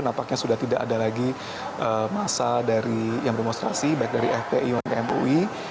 nampaknya sudah tidak ada lagi masa yang bermonstrasi baik dari fpi umkm ui